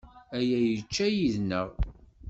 Aya yečča yid-neɣ.